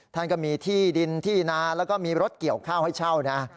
ท่านก็มีที่ดินที่นาแล้วก็มีรถเกี่ยวข้าวให้เช่านะ